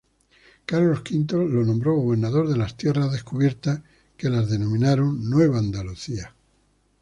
Carlos V lo nombró gobernador de las tierras descubiertas que las denominaron Nueva Andalucía.